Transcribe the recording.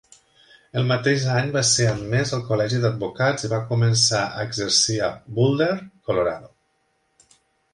El mateix any va ser admès al col·legi d'advocats i va començar a exercir a Boulder, Colorado.